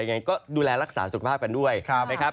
ยังไงก็ดูแลรักษาสุขภาพกันด้วยนะครับ